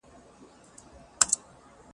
زه به اوږده موده مځکي ته کتلې وم.